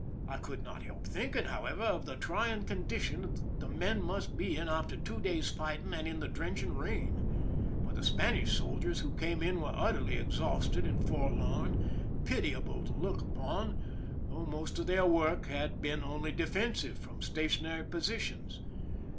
I could not help thinking, however, of the trying condition the men must be in after two days' fighting and the drenching rain ; for the Spanish soldiers who came in were utterly exhausted and forlorn, pitiable to look upon, though most of their work had been only defensive from stationary positions.